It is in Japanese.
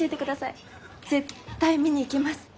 絶対見に行きます！